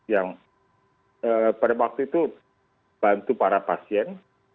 yang pada waktu itu bantu para pasien